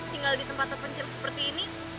tinggal di tempat terpencil seperti ini